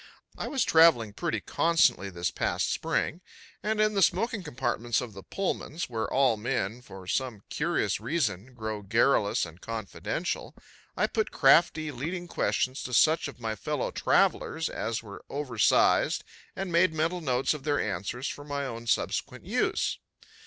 I was traveling pretty constantly this past spring, and in the smoking compartments of the Pullmans, where all men, for some curious reason, grow garrulous and confidential, I put crafty leading questions to such of my fellow travelers as were over sized and made mental notes of their answers for my own subsequent use.